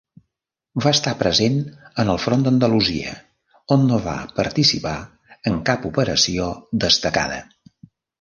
Va estar present en el front d'Andalusia, on no va participar en cap operació destacada.